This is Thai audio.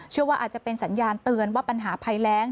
ว่าอาจจะเป็นสัญญาณเตือนว่าปัญหาภัยแรง